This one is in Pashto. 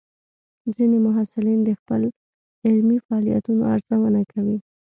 ځینې محصلین د خپل علمي فعالیتونو ارزونه کوي.